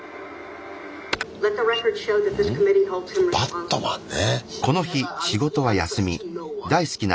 バットマンね。